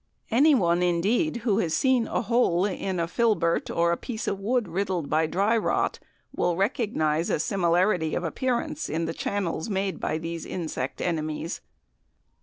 Anyone, indeed, who has seen a hole in a filbert, or a piece of wood riddled by dry rot, will recognize a similarity of appearance in the channels made by these insect enemies.